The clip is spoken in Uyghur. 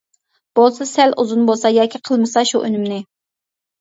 بولسا سەل ئۇزۇن بولسا ياكى قىلمىسا شۇ ئۈنۈمنى.